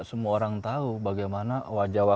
semua orang tahu bagaimana wajah wajah